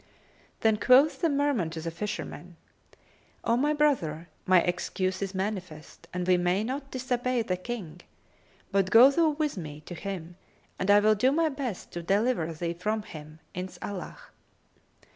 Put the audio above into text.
Then quoth the Merman to the fisherman, "O my brother, my excuse is manifest, and we may not disobey the King: but go thou with me to him and I will do my best to deliver thee from him, Inshallah!